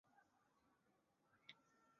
虽然我们吃很慢